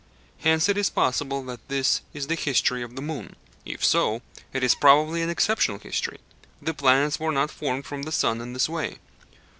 Hence it is possible that this is the history of the moon. If so, it is probably an exceptional history. The planets were not formed from the sun in this way.